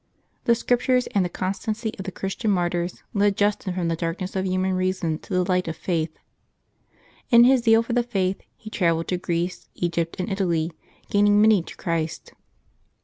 The Scriptures and the constancy of the Christian martyrs led Justin from the darkness of human reason to the light of faith. In his zeal for the Faith he travelled to Greece, Egypt, and Italy, gaining many to Christ.